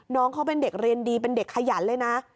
น้องเขาเป็นเด็กเรียนดีเป็นเด็กขยันเลยนะ